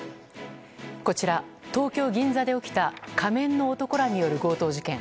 こちら東京・銀座で起きた仮面の男らによる強盗事件。